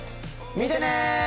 見てね。